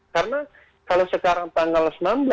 karena kalau sekarang tanggal enam belas